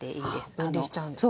あ分離しちゃうんですね。